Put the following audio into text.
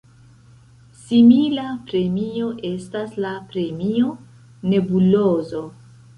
Simila premio estas la Premio Nebulozo.